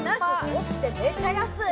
そしてめちゃ安い。